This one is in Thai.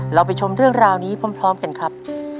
เราไปชมเรื่องราวนี้พร้อมกันครับ